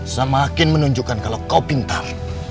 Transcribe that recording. semakin menunjukkan kalau kau pintar